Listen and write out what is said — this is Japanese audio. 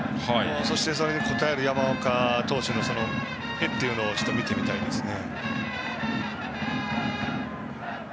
そしてそれに応える山岡投手を見てみたいですね。